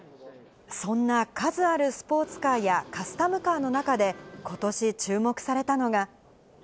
そんな数あるスポーツカーやカスタムカーの中で、ことし注目されたのが。